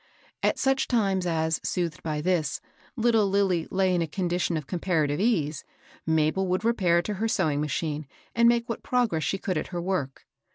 At such times as, soothed by this, little Lilly lay in a condition of comparative ease, Mabel would repair to her sewing machine, and make what progress she could at her work.